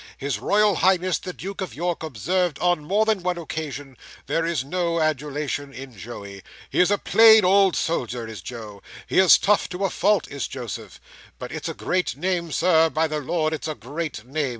His Royal Highness the Duke of York observed on more than one occasion, 'there is no adulation in Joey. He is a plain old soldier is Joe. He is tough to a fault is Joseph:' but it's a great name, Sir. By the Lord, it's a great name!"